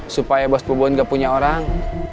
supaya bos pebun gak punya orang